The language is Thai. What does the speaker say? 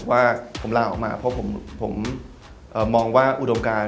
ว่าผมลาออกมาเพราะผมมองว่าอุดมการ